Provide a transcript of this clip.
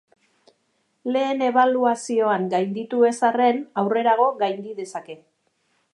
Lehen ebaluazioan gainditu ez arren, aurrerago gaindi dezake.